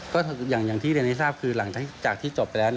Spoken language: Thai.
ก็อย่างที่เรียนให้ทราบคือหลังจากที่จบไปแล้ว